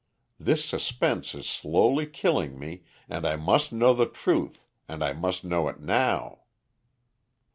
This suspense is slowly killing me, and I must know the truth, and I must know it now."